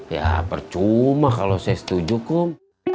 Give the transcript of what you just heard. ya percuma kalau saya setuju kok